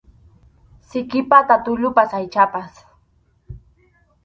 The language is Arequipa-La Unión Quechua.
Siki pata tullupas aychapas.